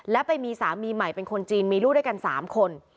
และไปมีสามีใหม่เป็นคนจีนมีลูกด้วยกัน๓คน